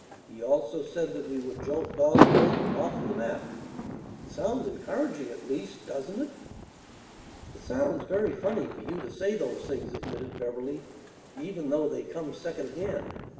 He also said that we would jolt Dawsbergen off the map. It sounds encouraging, at least, doesn't it?" "It sounds very funny for you to say those things," admitted Beverly, "even though they come secondhand.